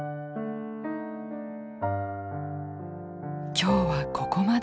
今日はここまで。